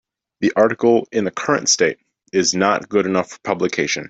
The article in the current state is not good enough for publication.